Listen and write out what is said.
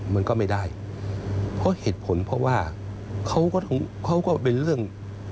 มันก็ไม่ได้เพราะเหตุผลเพราะว่าเขาก็ต้องเขาก็เป็นเรื่อง